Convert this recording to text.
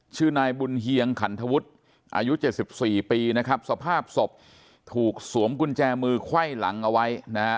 ชื่อนายบุญเฮียงขันทวุฒิอายุ๗๔ปีนะครับสภาพศพถูกสวมกุญแจมือไขว้หลังเอาไว้นะฮะ